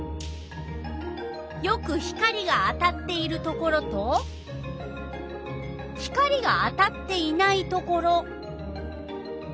よく光が当たっているところと光が当たっていないところ。